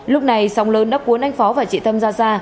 lúc này sóng lớn đắp cuốn anh phó và chị tâm ra ra